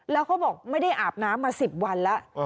แล้วเขาบอกไม่ได้อาบน้ำมา๑๐วันแล้ว